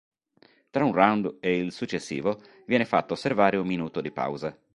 Tra un round e il successivo, viene fatto osservare un minuto di pausa.